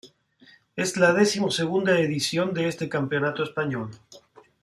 Es la decimosegunda edición de este campeonato español.